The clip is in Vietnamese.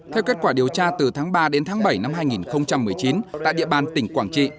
theo kết quả điều tra từ tháng ba đến tháng bảy năm hai nghìn một mươi chín tại địa bàn tỉnh quảng trị